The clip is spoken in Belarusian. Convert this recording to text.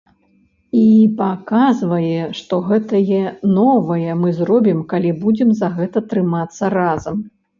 І паказвае, што гэтае новае мы зробім, калі будзем за гэта трымацца разам.